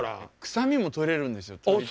臭みも取れるんですよ。